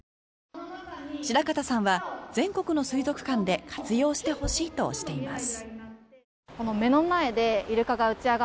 白形さんは全国の水族館で活用してほしいとしています。